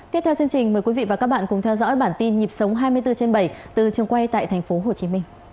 thanh chúc xin chào trường quyền hà nội